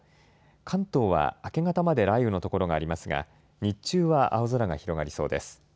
関東は明け方まで雷雨の所がありますが日中は青空が広がりそうです。